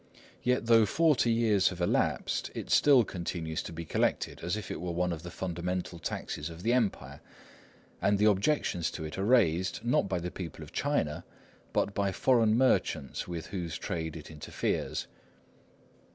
Yet, though forty years have elapsed, it still continues to be collected as if it were one of the fundamental taxes of the Empire, and the objections to it are raised, not by the people of China, but by foreign merchants with whose trade it interferes.